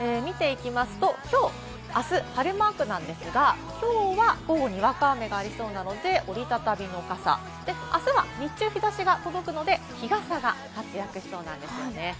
今日、明日晴れマークなんですが、今日は午後にわか雨がありそうなので折り畳みの傘、明日は日中、日差しが届くので日傘が活躍しそうなんですね。